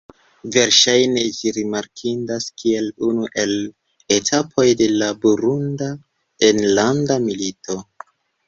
Verŝajne, ĝi rimarkindas kiel unu el etapoj de la Burunda enlanda milito.